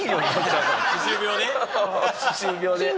歯周病で。